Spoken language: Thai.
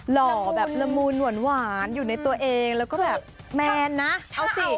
หล่อแบบละมุนหวานอยู่ในตัวเองแล้วก็แบบแมนนะเอาสิ